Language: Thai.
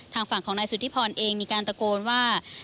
ทางฝั่งของนายสุธิพรเองมีการตะโกนว่า